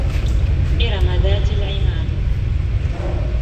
إرم ذات العماد